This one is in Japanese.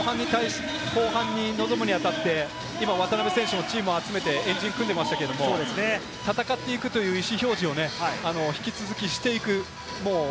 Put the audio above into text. あとはやっぱり後半に臨むにあたり、今、渡邊選手もチームを集めて円陣を組んでいましたが、戦っていくという意思表示を引き続きしていく。